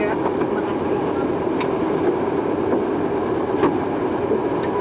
ya terima kasih